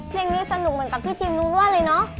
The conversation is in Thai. เพลงนี้สนุกเหมือนกับที่ทีมรู้ร่วเลยเนอะ